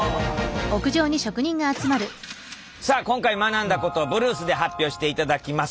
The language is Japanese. さあ今回学んだことをブルースで発表していただきます。